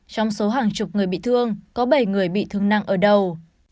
trong số hàng chục người bị thương có bảy người bị thương nặng ở đầu